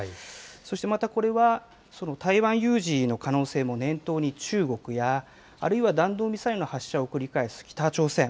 そしてまたこれは、台湾有事の可能性も念頭に中国や、あるいは弾道ミサイルの発射を繰り返す北朝鮮。